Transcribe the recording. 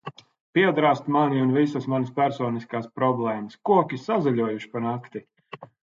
Piedrāzt mani un visas manas personiskās problēmas! Koki sazaļojuši pa nakti!